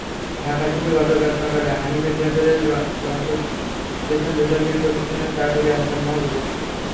ঢাকা থেকে গতকাল সকালে হানিফ এন্টারপ্রাইজে রংপুর গেছেন বেসরকারি প্রতিষ্ঠানের চাকুরে হাসান মাহমুদ।